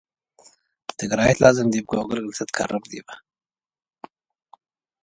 The high explosives also disrupt the ability of firefighters to douse the fires.